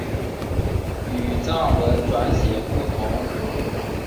与藏文转写不同。